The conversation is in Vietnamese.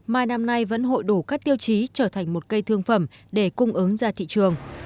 mai năm nay vẫn hội đủ các tiêu chí trở thành một cây thương phẩm để cung ứng ra thị trường